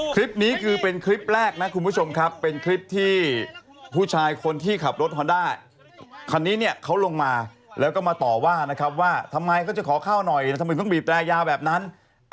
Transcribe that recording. คลิปนี้คือเป็นคลิปแรกนะคุณผู้ชมครับเป็นคลิปที่ผู้ชายคนที่ขับรถฮอนด้าคันนี้เนี่ยเขาลงมาแล้วก็มาต่อว่านะครับว่าทำไมเขาจะขอเข้าหน่อยทำไมต้องบีบแรยาวแบบนั้น